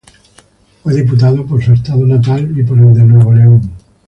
Fue diputado por su estado natal y por el de Nuevo León.